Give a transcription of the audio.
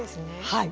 はい。